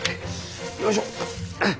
よいしょ。